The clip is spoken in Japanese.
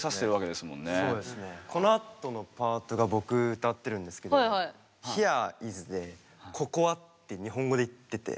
このあとのパートが僕歌ってるんですけどって日本語で言ってて。